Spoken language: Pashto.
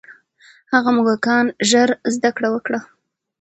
هغه موږکان ژر زده کړه وکړه.